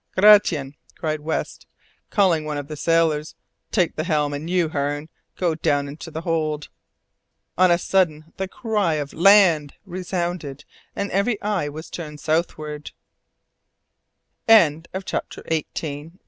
"Gratian," cried West, calling one of the sailors, "take the helm; and you, Hearne, go down into the hold." On a sudden the cry of "Land!" resounded, and every eye was turned southwards. CHAPTER XIX. LAND?